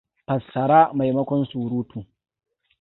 Fassara maimakon surutu!